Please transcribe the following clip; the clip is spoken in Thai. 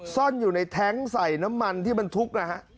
ซ่อนอยู่ในแท้งใส่น้ำมันที่บรรทุกนะฮะ